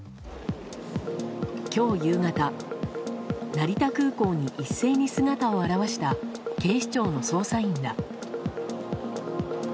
今日夕方、成田空港に一斉に姿を現した警視庁の捜査員ら。